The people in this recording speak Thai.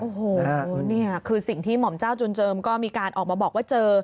โอ้โหนี่คือสิ่งที่หม่อมเจ้าจุนเจิมก็มีการออกมาบอกว่าเจอ